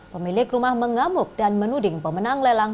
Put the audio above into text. pemilik rumah mengamuk dan menuding pemenang lelang